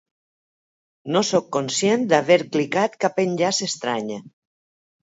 No sóc conscient d’haver clicat cap enllaç estrany.